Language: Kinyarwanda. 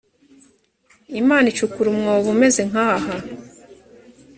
imana icukura umwobo umeze nkaha